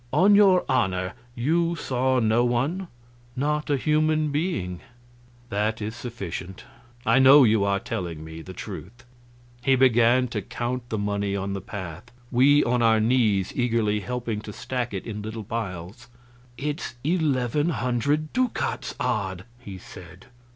On your honor you saw no one?" "Not a human being." "That is sufficient; I know you are telling me the truth." He began to count the money on the path, we on our knees eagerly helping to stack it in little piles. "It's eleven hundred ducats odd!" he said.